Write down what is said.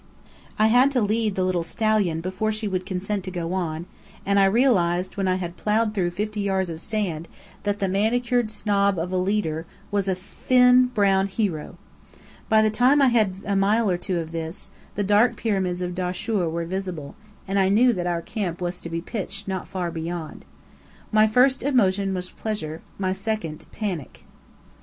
I had to lead the little stallion before she would consent to go on, and realized when I had ploughed through fifty yards of sand, that the manicured snob of a leader was a thin brown hero. By the time I had had a mile or two of this, the dark Pyramids of Dahshur were visible, and I knew that our camp was to be pitched not far beyond. My first emotion was pleasure; my second, panic.